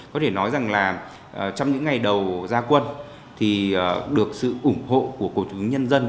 có thể nói rằng là trong những ngày đầu gia quân thì được sự ủng hộ của cổ chứng nhân dân